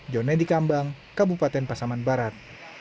jonedi kambang kabupaten pasaman barat